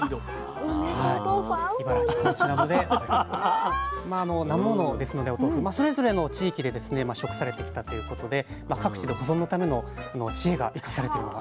まあなま物ですのでお豆腐それぞれの地域で食されてきたということで各地で保存のための知恵が生かされてるのが。